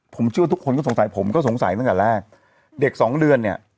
ผมเชื่อว่าทุกคนก็สงสัยผมก็สงสัยตั้งแต่แรกเด็กสองเดือนเนี่ย